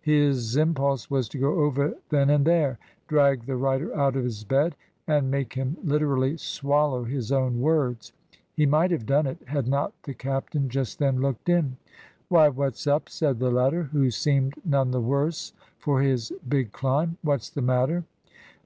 His impulse was to go over then and there, drag the writer out of his bed, and make him literally swallow his own words. He might have done it, had not the captain just then looked in. "Why, what's up?" said the latter, who seemed none the worse for his big climb. "What's the matter?"